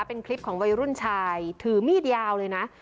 เป็นคลิปของวัยรุ่นชายถือมีดยาวเลยนะ